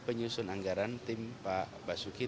penyusun anggaran tim pak basuki